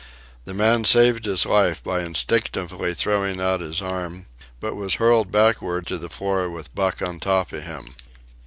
The man saved his life by instinctively throwing out his arm, but was hurled backward to the floor with Buck on top of him.